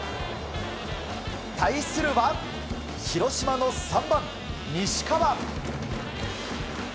対するは広島の３番、西川。